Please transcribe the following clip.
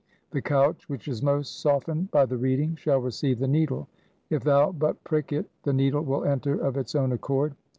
The couch which is most softened by the reading shall receive the needle. If thou but prick it, the needle will enter of its own accord.'